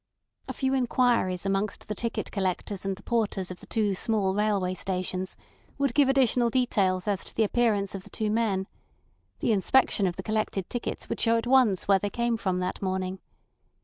A few inquiries amongst the ticket collectors and the porters of the two small railway stations would give additional details as to the appearance of the two men; the inspection of the collected tickets would show at once where they came from that morning.